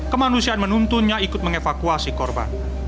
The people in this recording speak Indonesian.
kemanusiaan menuntunnya ikut mengevakuasi korban